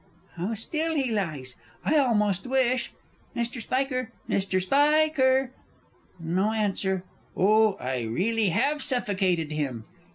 _) How still he lies! I almost wish ... Mr. Spiker, Mr. Spi ker!... no answer oh, I really have suffocated him!